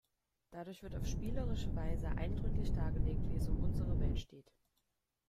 Dadurch wird auf spielerische Weise eindrücklich dargelegt, wie es um unsere Welt steht.